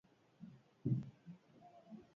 Konkretuki asteazkena eta osteguna artean.